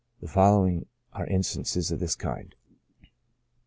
The following are instances of this kind.